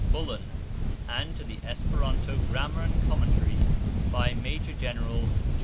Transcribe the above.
Bullen, and to the "Esperanto Grammar and Commentary," by Major General Geo.